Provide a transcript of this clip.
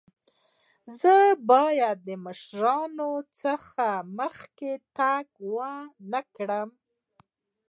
مونږ باید د مشرانو څخه مخکې تګ ونکړو.